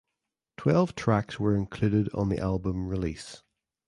Twelve tracks were included on the album release.